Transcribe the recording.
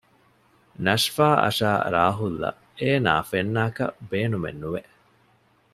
ނަޝްފާ އަށާ ރާހުލްއަށް އޭނާ ފެންނާކަށް ބޭނުމެއް ނުވެ